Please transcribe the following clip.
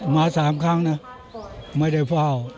มา๓ครั้งนะไม่ได้เฝ้า